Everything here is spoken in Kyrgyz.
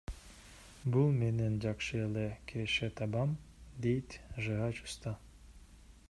Бул менен жакшы эле киреше табам, — дейт жыгач уста.